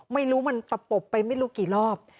ไม่รู้มันตะปบไปไม่รู้กี่รอบ